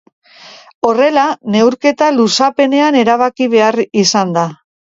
Horrela, neurketa luzapenean erabaki behar izan da.